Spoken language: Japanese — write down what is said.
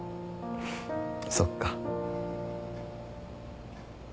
そっか。